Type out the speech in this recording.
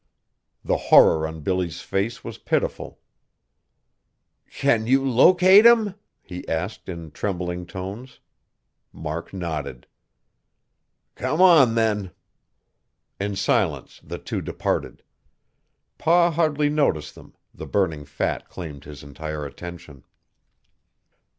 The horror on Billy's face was pitiful. "Can you locate him?" he asked in trembling tones. Mark nodded. "Come on, then!" In silence the two departed. Pa hardly noticed them; the burning fat claimed his entire attention.